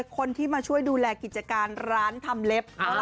คนที่มาช่วยดูแลกิจการร้านทำเล็บ